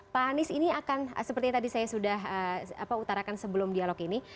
pak anies ini akan seperti yang tadi saya sudah utarakan sebelum dialog ini